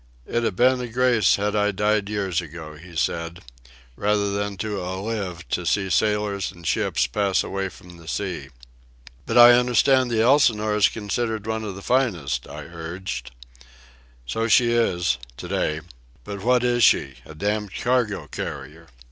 "It'd a ben a grace had I died years ago," he said, "rather than to a lived to see sailors an' ships pass away from the sea." "But I understand the Elsinore is considered one of the finest," I urged. "So she is ... to day. But what is she?—a damned cargo carrier.